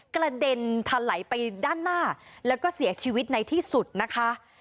กระเด็นทะไหลไปด้านหน้าแล้วก็เสียชีวิตในที่สุดนะคะ